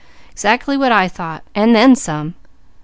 Exactly what I thought and then some.